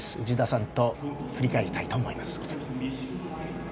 内田さんと振り返りたいと思います。